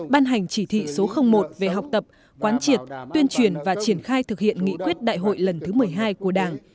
ban hành chỉ thị số một về học tập quán triệt tuyên truyền và triển khai thực hiện nghị quyết đại hội lần thứ một mươi hai của đảng